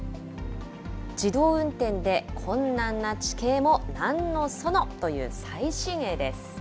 自動運転で、困難な地形もなんのそのという最新鋭です。